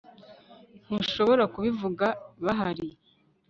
ntushobora kubivuga bahari